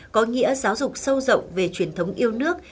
có nghĩa giáo dục sâu rộng về truyền thống yêu nước